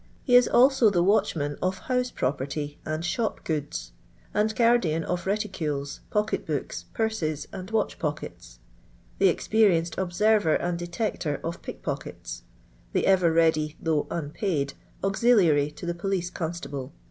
He is aUo the watchman of house property and shop goods ; the guardian of reticules, pocket books, purses, and watch pockets; — the expe rienced observer and detector of pickpockets; the ever re.idy, thou^'h unpaid, auxiliary to the police consUible.